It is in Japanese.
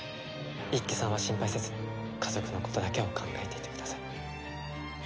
一輝さんは心配せず家族のことだけを考えていてください。